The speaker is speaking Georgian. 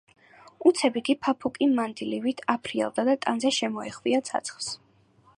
უცებ იგი ფაფუკი მანდილივით აფრიალდა და ტანზე შემოეხვია ცაცხვს.